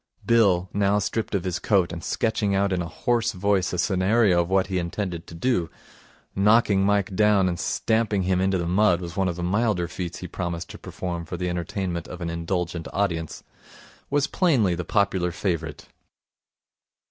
Bill, now stripped of his coat and sketching out in a hoarse voice a scenario of what he intended to do knocking Mike down and stamping him into the mud was one of the milder feats he promised to perform for the entertainment of an indulgent audience was plainly the popular favourite.